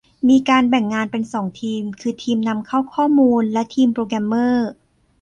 มีการแบ่งงานเป็น สอง ทีม คือ ทีมนำเข้าข้อมูล และ ทีมโปรแกรมเมอร์